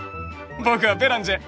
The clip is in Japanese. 僕はベランジェ。